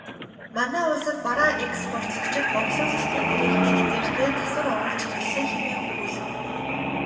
Манай улсад бараа экспортлогчид борлуулалтын гэрээ хэлэлцээртээ засвар оруулж эхэллээ хэмээн өгүүлэв.